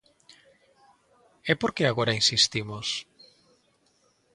¿E por que agora insistimos?